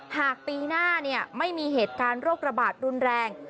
ปีหน้าไม่มีเหตุการณ์โรคระบาดรุนแรง